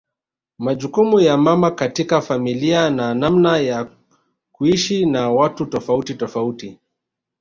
Majukumu ya mama katika familia na namna ya kuishi na watu tofauti tofauti